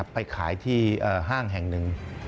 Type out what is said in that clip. ไปขายที่ห้างแห่งหนึ่ง